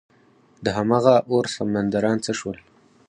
دهمغه اور سمندران څه شول؟